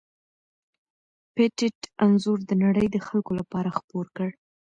پېټټ انځور د نړۍ د خلکو لپاره خپور کړ.